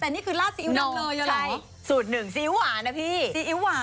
แต่นี่คือลาดสีอิ๊วดำเลยเหรอ